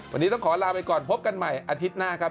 วันนี้ต้องขอลาไปก่อนพบกันใหม่อาทิตย์หน้าครับ